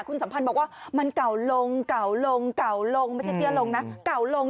คุณสัมพันธ์บอกว่ามันเก่าลงเก่าลงเก่าลง